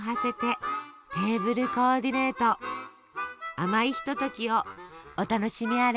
甘いひとときをお楽しみあれ。